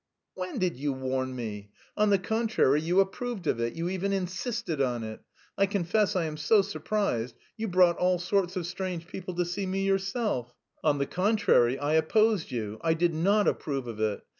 "When did you warn me? On the contrary, you approved of it, you even insisted on it.... I confess I am so surprised.... You brought all sorts of strange people to see me yourself." "On the contrary, I opposed you; I did not approve of it.